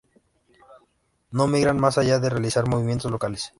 No migran más allá de realizar movimientos locales.